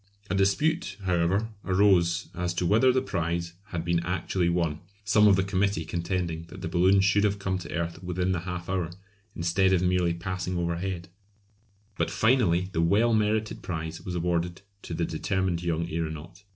A dispute, however, arose as to whether the prize had been actually won, some of the committee contending that the balloon should have come to earth within the half hour, instead of merely passing overhead; but finally the well merited prize was awarded to the determined young aeronaut.